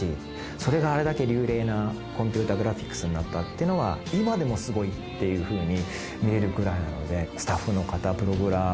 それが、あれだけ流麗なコンピューターグラフィックスになったっていうのは今でもすごいっていう風に見えるぐらいなので。